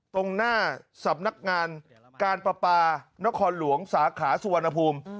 ตรงหน้าสำนักงานการประปานครหลวงสาขาสุวรรณภูมิ